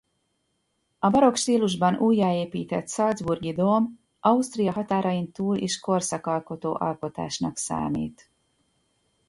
A barokk stílusban újjáépített salzburgi dóm Ausztria határain túl is korszakalkotó alkotásnak számít.